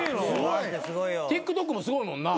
ＴｉｋＴｏｋもすごいもんな。